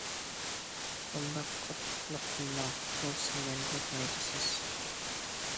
بۇنداق قاتتىقلىق قىلما، بۇ سىلەرگە پايدىسىز.